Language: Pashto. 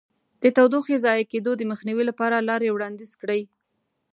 د تودوخې ضایع کېدو د مخنیوي لپاره لارې وړاندیز کړئ.